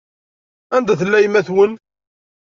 Anda tella yemma-twen?